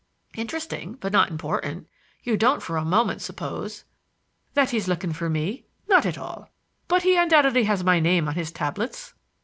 "Interesting, but not important. You don't for a moment suppose—" "That he's looking for me? Not at all. But he undoubtedly has my name on his tablets.